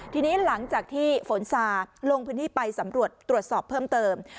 ทีนี้หลังจากที่ฝนซาลงพื้นที่ไปสำรวจตรวจสอบเพิ่มเติม